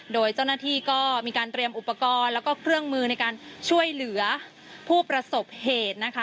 โดยเจ้าหน้าที่ก็มีการเตรียมอุปกรณ์แล้วก็เครื่องมือในการช่วยเหลือผู้ประสบเหตุนะคะ